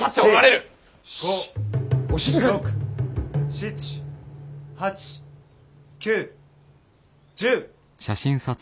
７８９１０。